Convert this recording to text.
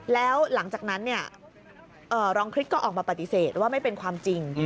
แล้วหลังจากนั้นรองคริสก็ออกมาปฏิเสธว่าไม่เป็นความจริง